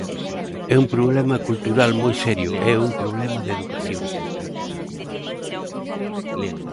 É un problema cultural moi serio e é un problema de educación.